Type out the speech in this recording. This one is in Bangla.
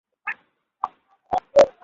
পরিবারের গৌরবেই তাহার স্বামীর গৌরব।